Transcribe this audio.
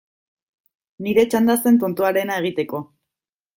Nire txanda zen tontoarena egiteko.